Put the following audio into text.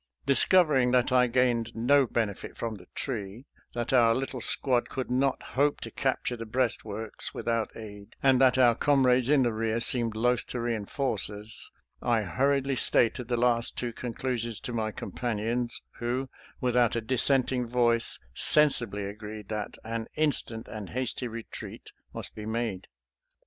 Discovering that I gained no bene fit from the tree, that our little squad could not hope to capture the breastworks without aid, and that our comrades in the rear seemed loath to reinforce us, I hurriedly stated the last two conclusions to my companions, who, without a dissenting voice, sensibly agreed that an instant and hasty retreat must be made.